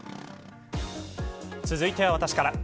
続いては私から。